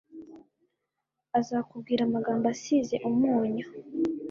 azakubwira amagambo asize umunyu,